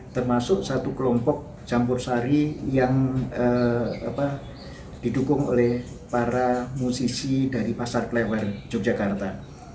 termasuk satu kelompok campur sari yang didukung oleh para musisi dari pasar klewer yogyakarta